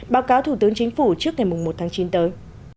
báo cáo thủ tướng chính phủ trước ngày một tháng chín tới